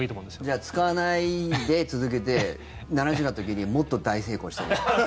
じゃあ使わないで続けて７０になった時にもっと大成功するよ。